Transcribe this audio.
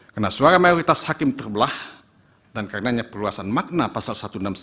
karena suara mayoritas hakim terbelah dan karenanya perluasan makna pasal satu ratus enam puluh sembilan